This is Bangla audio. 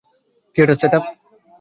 Theatre set up?